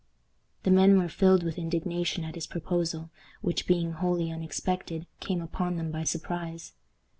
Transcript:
The men were filled with indignation at this proposal, which, being wholly unexpected, came upon them by surprise.